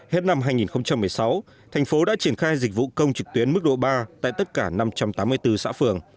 hết năm hai nghìn một mươi sáu thành phố đã triển khai dịch vụ công trực tuyến mức độ ba tại tất cả năm trăm tám mươi bốn xã phường